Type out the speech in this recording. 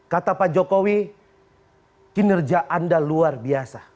kata pak jokowi kinerja anda luar biasa